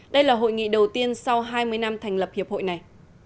đây là hội nghị đầu tiên sau hai mươi năm thành lập hiệp hội này